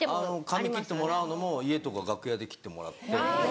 髪切ってもらうのも家とか楽屋で切ってもらって。